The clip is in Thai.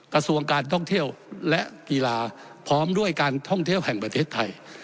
กระทรวงการท่องเที่ยวและกีฬาพร้อมด้วยการท่องเที่ยวแห่งประเทศไทย